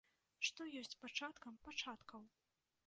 Што ёсць пачаткам пачаткаў?